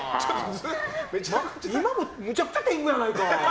今もめちゃくちゃ天狗やないか！